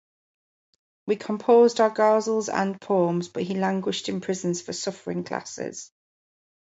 We composed our ghazals andpoems but he languished in prisons for suffering classes!